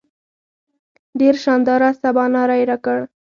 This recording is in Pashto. ډېر شانداره سباناری راکړ.